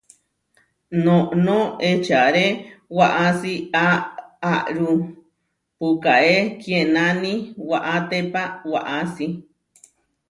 Noʼnó eʼčáre waʼási aʼáru puʼkáe kienáni waʼátépa waʼási.